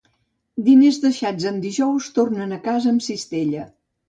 Diners deixats en dijous tornen a casa amb cistella.